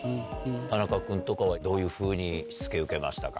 田中君とかはどういうふうにしつけ受けましたか？